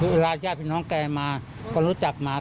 เวลาแช่เพีย์หน้าแกมาก็รู้จักมา